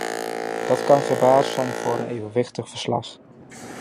Dat kan geen basis zijn voor een evenwichtig verslag.